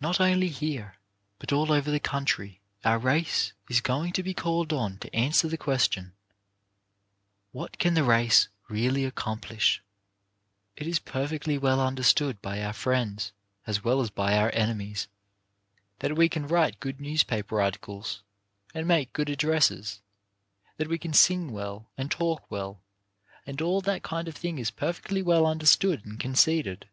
Not only here, but all over the country, our race is going to be called on to answer the question: "What can the race really accomplish ?" It is perfectly well understood by our friends as well as by our enemies, that we can write good newspaper articles and make good addresses, that we can sing well and talk well, and all that kind of thing. All that is perfectly well understood and conceded.